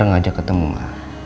dia ngajak ketemu mbak